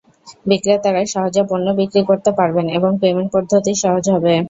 বিক্রেতারা সহজে পণ্য বিক্রি করতে পারবেন এবং পেমেন্ট পদ্ধতি সহজ হবে।